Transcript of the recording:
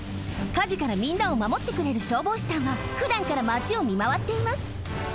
かじからみんなをまもってくれる消防士さんはふだんからマチをみまわっています。